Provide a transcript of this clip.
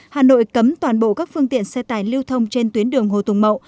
hà nội cấm toàn bộ các phương tiện xe tải lưu thông trên tuyến đường hồ tùng mậu